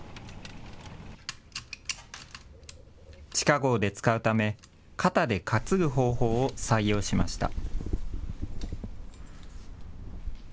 地下ごうで使うため肩で担ぐ方法を採用しました。